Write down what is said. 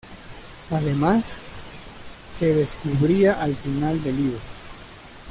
Además, se descubría al final del libro.